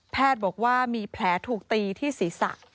บอกว่ามีแผลถูกตีที่ศีรษะ